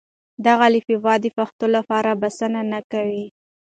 دغه الفبې د پښتو لپاره بسنه نه کوي.